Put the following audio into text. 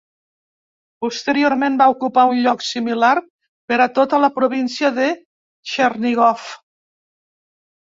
Posteriorment va ocupar un lloc similar per a tota la província de Txernigov.